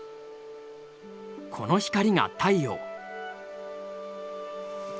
この光が「太陽」。